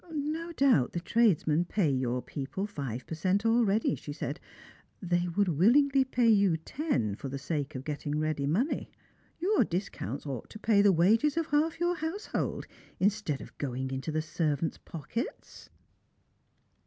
"No doubt the tradesmen pay your people five per cent already," she said. " They would willingly pay you ten for the sake of getting ready money. Your discounts ought to pay the wages of half your household, instead of going into the servants' pockets."